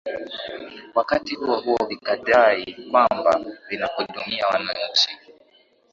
wakati huo huo vikidai kwamba vinahudumia wananchi